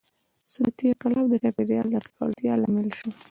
• صنعتي انقلاب د چاپېریال د ککړتیا لامل شو.